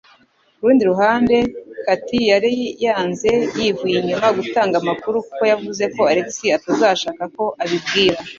Ku rundi ruhande, Katie yari yanze yivuye inyuma gutanga amakuru kuko yavuze ko Alex atazashaka ko abibwira.